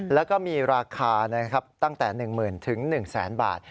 แล้วก็มีราคาตั้งแต่๑หมื่นถึง๑แสนบาท